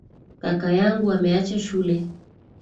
Kaka yangu ameacha shule